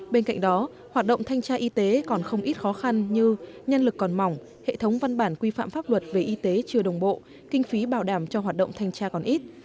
bên cạnh đó hoạt động thanh tra y tế còn không ít khó khăn như nhân lực còn mỏng hệ thống văn bản quy phạm pháp luật về y tế chưa đồng bộ kinh phí bảo đảm cho hoạt động thanh tra còn ít